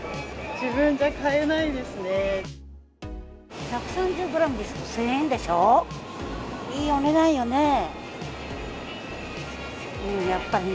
自分じゃ買えないですね。